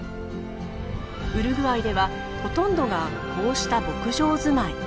ウルグアイではほとんどがこうした牧場ずまい。